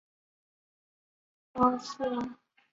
凹刺足蛛为光盔蛛科刺足蛛属的动物。